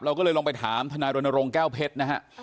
เราก็เลยลองไปถามทนายรณรงค์แก้วเพชรนะฮะ